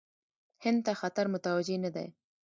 هند ته خطر متوجه نه دی.